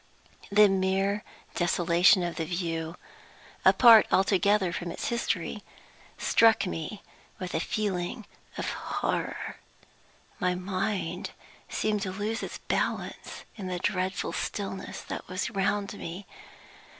The mere desolation of the view (apart altogether from its history) struck me with a feeling of horror. My mind seemed to lose its balance in the dreadful stillness that was round me.